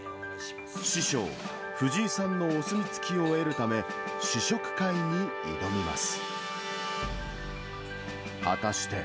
師匠、藤井さんのお墨付きを得るため、試食会に挑みます。